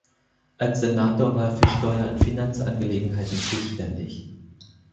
Als Senator war er für Steuer- und Finanzangelegenheiten zuständig.